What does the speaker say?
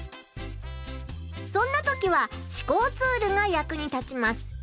そんな時は思考ツールが役に立ちます。